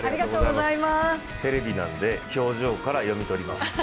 テレビなんで、表情から読み取ります。